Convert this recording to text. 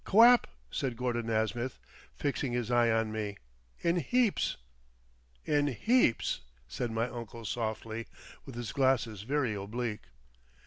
"Quap," said Gordon Nasmyth, fixing his eye on me, "in heaps." "In heaps," said my uncle softly, with his glasses very oblique.